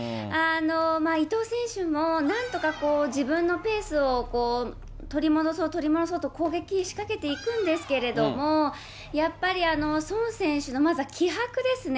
伊藤選手もなんとか、自分のペースを取り戻そう、取り戻そうと、攻撃仕掛けていくんですけれども、やっぱり孫選手のまずは気迫ですね。